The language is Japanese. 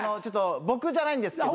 僕じゃないんですけど。